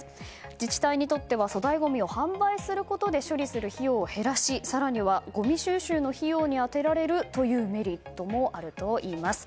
自治体にとっては粗大ごみを販売することで処理する費用を減らし更には、ごみ収集の費用に充てられるというメリットもあるといいます。